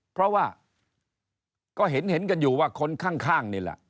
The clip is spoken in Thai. เพราะว่าก็เห็นกันอยู่ว่าคนข้างนี่แหละ